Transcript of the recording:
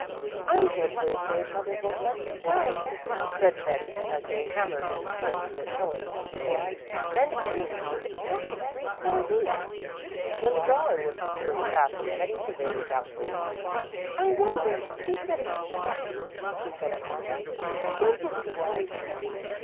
"I'm dreadfully afraid mother won't let me go though," said Betty as they hammered in the pins with Helen's paper weight. "And anyhow it's not for three whole weeks." When the drawing was securely fastened, Betty surveyed it doubtfully. "I wonder if we'd better take it down," she said at last. "I don't believe it's very dignified.